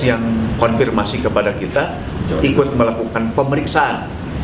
yang konfirmasi kepada kita ikut melakukan pemeriksaan